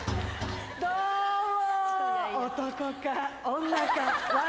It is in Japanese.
どうも。